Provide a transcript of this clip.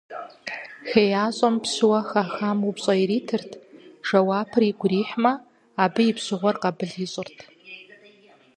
ХеящӀэм пщыуэ хахам упщӀэ иритырт, жэуапхэр игу ирихьмэ, абы и пщыгъуэр къэбыл ищӀырт.